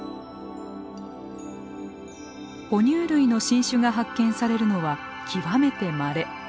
ほ乳類の新種が発見されるのは極めてまれ。